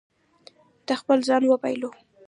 ده خپل ځان وبایلو.